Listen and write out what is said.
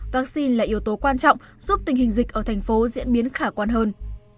vaccine là yếu tố quan trọng giúp tình hình dịch ở thành phố diễn biến khả quan hơn